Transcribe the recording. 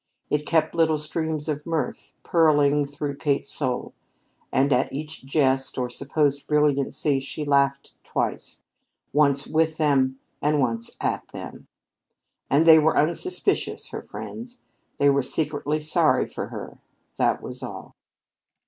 It kept little streams of mirth purling through Kate's soul, and at each jest or supposed brilliancy she laughed twice once with them and once at them. But they were unsuspicious her friends. They were secretly sorry for her, that was all.